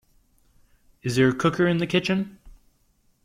Is there a cooker in the kitchen?